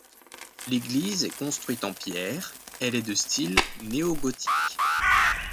L'église est construite en pierre, elle est de style néogothique.